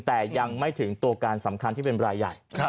แต่ยังไม่ถึงตัวการสำคัญที่เป็นรายใหญ่